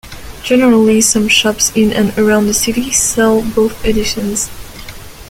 Generally some shops in and around the city sell both editions.